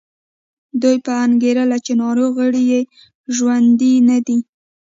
دوی به انګېرله چې ناروغ غړي یې ژوندي نه دي.